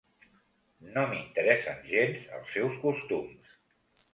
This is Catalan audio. No m'interessen gens els seus costums.